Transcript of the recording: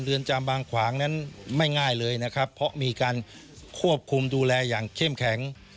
จามบางขวางนั้นไม่ง่ายเลยนะครับเพราะมีการควบคุมดูแลอย่างเข้มแข็ง